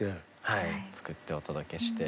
はい作ってお届けして。